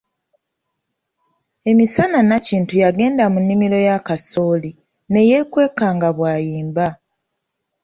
Emisana Nakintu yagenda mu nnimiro ya kasooli ne yeekweka nga bw'ayimba .